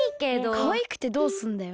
かわいくてどうすんだよ。